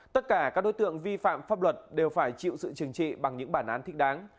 tất cả các đối tượng vi phạm pháp luật đều phải chịu sự trừng trị bằng những bản án thích đáng